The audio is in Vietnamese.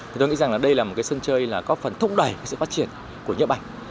thì tôi nghĩ rằng là đây là một cái sân chơi là có phần thúc đẩy sự phát triển của nhấp ảnh